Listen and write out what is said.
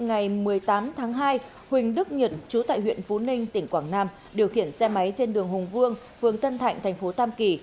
ngày một mươi tám tháng hai huỳnh đức nhật chú tại huyện phú ninh tỉnh quảng nam điều khiển xe máy trên đường hùng vương phường tân thạnh thành phố tam kỳ